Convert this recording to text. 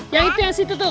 yang itu yang situ tuh